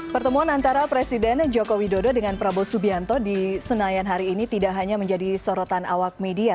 pertemuan antara presiden joko widodo dengan prabowo subianto di senayan hari ini tidak hanya menjadi sorotan awak media